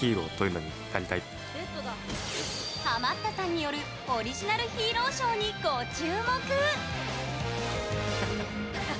ハマったさんによるオリジナルヒーローショーにご注目！